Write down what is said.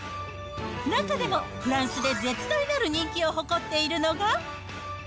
中でも、フランスで絶大なる人気を誇っているのが。